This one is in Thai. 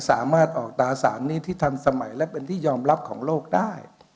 สามารถออกตราสารนี้ที่ทันสมัยและเป็นที่ยอมรับของโลกได้